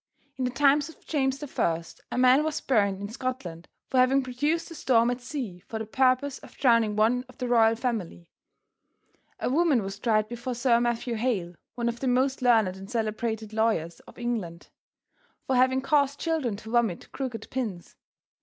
In the time of James the First, a man was burned in Scotland for having produced a storm at sea for the purpose of drowning one of the royal family. A woman was tried before Sir Matthew Hale, one of the most learned and celebrated lawyers of England, for having caused children to vomit crooked pins.